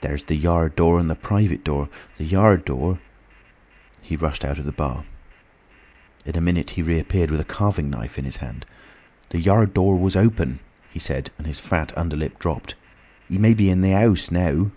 "There's the yard door and the private door. The yard door—" He rushed out of the bar. In a minute he reappeared with a carving knife in his hand. "The yard door was open!" he said, and his fat underlip dropped. "He may be in the house now!"